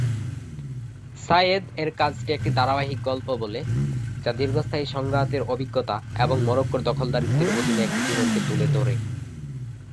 সায়েদ এর কাজটি একটি ধারাবাহিক গল্প বলে, যা দীর্ঘস্থায়ী সংঘাতের অভিজ্ঞতা এবং মরোক্কোর দখলদারিত্বের অধীনে একটি জীবনকে তুলে ধরে।